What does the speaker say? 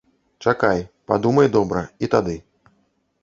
Чакай, падумай добра, і тады.